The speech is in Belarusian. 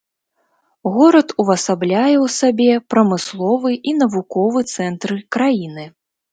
Горад увасабляе ў сабе прамысловы і навуковы цэнтры краіны.